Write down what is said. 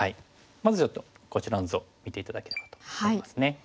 まずちょっとこちらの図を見て頂ければと思いますね。